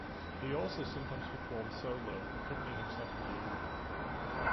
He also sometimes performs solo accompanying himself on the oud.